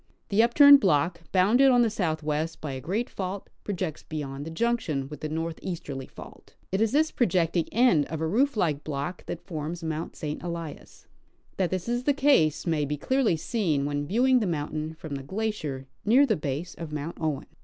The upturned block, bounded on the southwest by a great fault, projects beyond the junction with the northeasterly fault. It is this projecting end of a roof like block that forms Mount St. Elias. That this is the case may be clearly seen when viewing the mountain from the glacier near the base of Mount Owen.